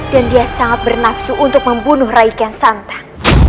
dan dia sangat bernapsu untuk membunuh rai kian santan